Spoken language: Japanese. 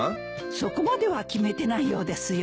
そこまでは決めてないようですよ。